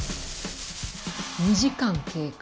２時間経過。